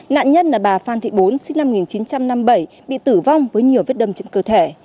nạn nhân là bà phan thị bốn sinh năm một nghìn chín trăm năm mươi bảy bị tử vong với nhiều vết đâm trên cơ thể